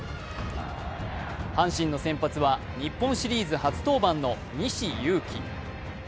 阪神の先発は日本シリーズ初登板の西勇輝。